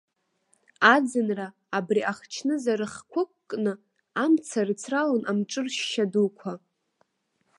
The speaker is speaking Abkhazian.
Аӡынра, абри ахчныза рыхқәа ықәкны, амца рыцралон амҿы ршьшьа дуқәа.